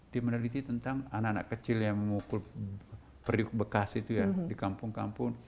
dia meneliti tentang anak anak kecil yang memukul periuk bekas itu ya di kampung kampung